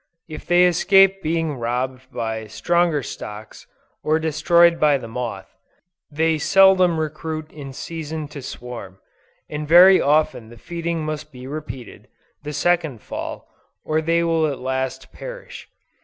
If they escape being robbed by stronger stocks, or destroyed by the moth, they seldom recruit in season to swarm, and very often the feeding must be repeated, the second Fall, or they will at last perish.